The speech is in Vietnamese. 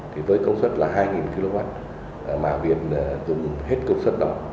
thì với công suất là hai kw mà việc dùng hết công suất đó